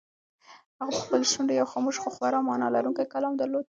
هغې په خپلو شونډو یو خاموش خو خورا مانا لرونکی کلام درلود.